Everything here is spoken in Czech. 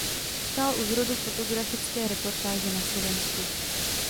Stál u zrodu fotografické reportáže na Slovensku.